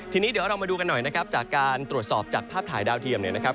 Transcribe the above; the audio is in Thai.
ทีนี้เดี๋ยวเรามาดูกันหน่อยนะครับจากการตรวจสอบจากภาพถ่ายดาวเทียมเนี่ยนะครับ